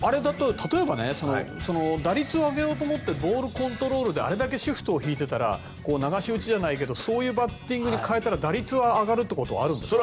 例えば打率を上げようと思ってボールコントロールであれだけシフトを敷いていたら流し打ちじゃないけどそういうバッティングに変えたら打率は上がることはありますか？